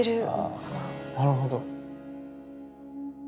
なるほど。